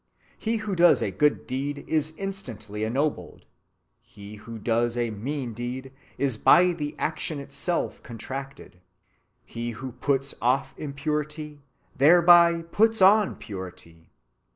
He who does a good deed is instantly ennobled. He who does a mean deed is by the action itself contracted. He who puts off impurity thereby puts on purity.